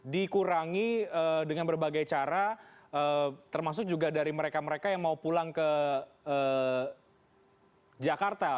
dikurangi dengan berbagai cara termasuk juga dari mereka mereka yang mau pulang ke jakarta